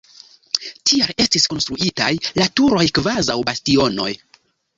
Tial estis konstruitaj la turoj kvazaŭ bastionoj.